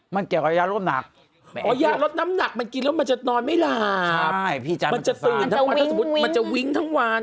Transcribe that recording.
มันจะตื่นทั้งวันถ้าสมมุติมันจะวิ้งทั้งวัน